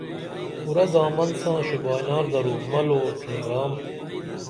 پُرہ دامن ساں شوبائنار درو ملو او ڇھینگرام